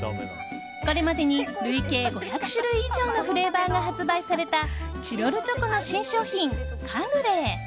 これまでに累計５００種類以上のフレーバーが発売されたチロルチョコの新商品、カヌレ。